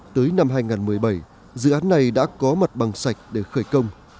tới năm hai nghìn một mươi bảy dự án này đã có mặt bằng sạch để khởi công